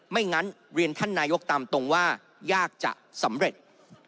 งั้นเรียนท่านนายกตามตรงว่ายากจะสำเร็จ